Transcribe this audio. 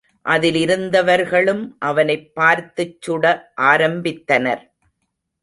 அதிலிருந்தவர்களும் அவனைப் பார்த்துச் சுட ஆரம்பித்தனர்.